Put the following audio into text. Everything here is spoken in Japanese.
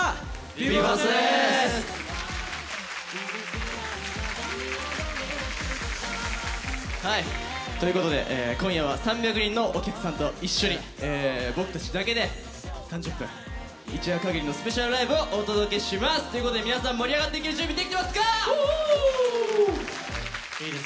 ＢＥ：ＦＩＲＳＴです！ということで今夜は３００人のお客さんと一緒に僕たちだけで３０分一夜限りのスペシャルライブをお届けします！ということで皆さん盛り上がっていける準備できてますか？